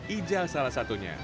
ijal salah satunya